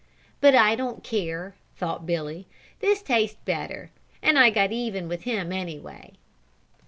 "But I don't care," thought Billy, "this tastes better, and I got even with him anyway."